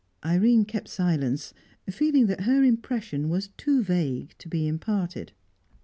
Irene kept silence, feeling that her impression was too vague to be imparted.